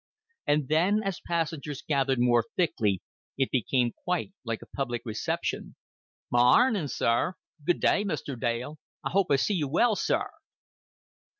And then, as passengers gathered more thickly, it became quite like a public reception. "Ma'arnin', sir." "Good day, Mr. Dale." "I hope I see you well, sir."